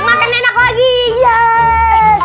makanan enak lagi yeeees